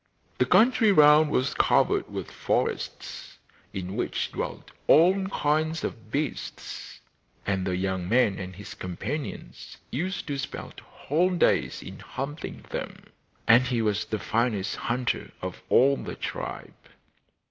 The country round was covered with forests, in which dwelt all kinds of wild beasts, and the young man and his companions used to spend whole days in hunting them, and he was the finest hunter of all the tribe.